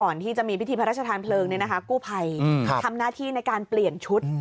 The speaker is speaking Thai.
ก่อนที่จะมีพิธีพระราชทานเพลิงกู้ภัยทำหน้าที่ในการเปลี่ยนชุด